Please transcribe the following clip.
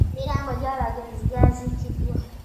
Emirambo gy'abagenzi gyaziikiddwa.